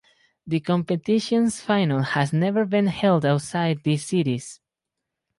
The competition's final has never been held outside these cities.